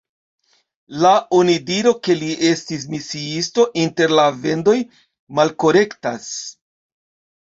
La onidiro ke li estis misiisto inter la Vendoj malkorektas.